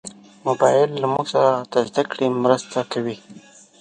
موبایل له موږ سره د زدهکړې مرسته کوي.